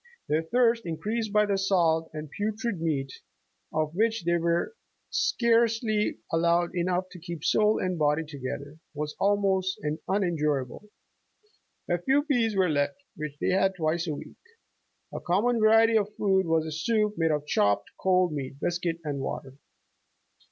Their thirst, increased by the salt and putrid meat, of which they were scarce ly allowed enough to keep soul and body together, was almost unendurable. A few pease were left which they had twice a week. A common variety of food was a soup made of chopped cold meat, biscuit and water.